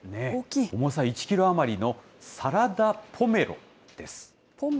重さ１キロ余りのサラダポメロです。